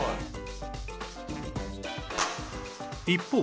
一方